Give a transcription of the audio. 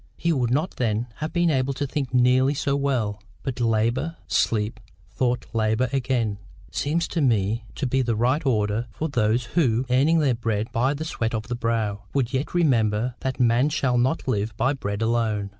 He would not then have been able to think nearly so well. But LABOUR, SLEEP, THOUGHT, LABOUR AGAIN, seems to me to be the right order with those who, earning their bread by the sweat of the brow, would yet remember that man shall not live by bread alone.